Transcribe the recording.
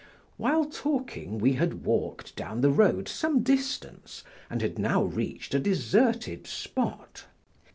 While talking, we had walked down the road some distance and had now reached a deserted spot.